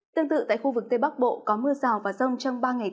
tương tự tại khu vực tây bắc bộ có mưa rào và rông trong ba ngày tới